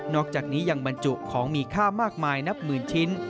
อกจากนี้ยังบรรจุของมีค่ามากมายนับหมื่นชิ้น